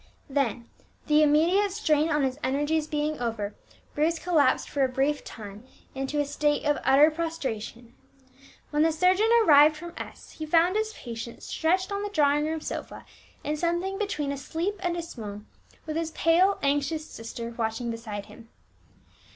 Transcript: Then, the immediate strain on his energies being over, Bruce collapsed for a brief time into a state of utter prostration. When the surgeon arrived from S , he found his patient stretched on the drawing room sofa in something between a sleep and a swoon, with his pale, anxious sister watching beside him.